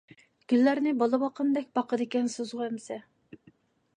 گۈللەرنى بالا باققاندەك باقىدىكەنسىزغۇ ئەمىسە.